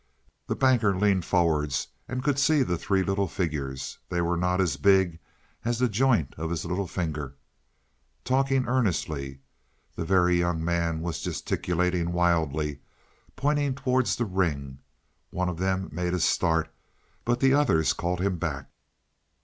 The Banker leaned forwards, and could see the three little figures (they were not as big as the joint of his little finger) talking earnestly; the Very Young Man was gesticulating wildly, pointing towards the ring. One of them made a start, but the others called him back.